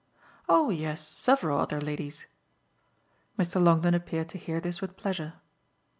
"Oh yes, several other ladies." Mr. Longdon appeared to hear this with pleasure.